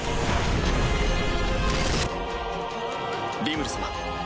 リムル様。